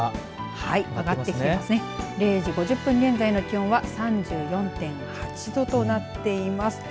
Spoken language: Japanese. ０時５０分現在の気温は３４．８度となっています。